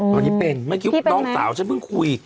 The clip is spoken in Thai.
ตอนนี้เป็นเมื่อกี้น้องสาวฉันเพิ่งคุย